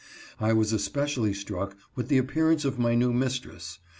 I was especially struck with the appearance of my new mistress.